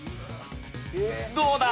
どうだ？